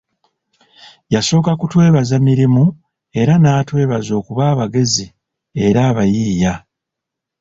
Yasooka kutwebaza mirimu era n'atuwaana okuba abagezi era abayiiya.